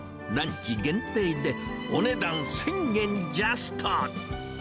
ランチ限定で、お値段１０００円ジャスト。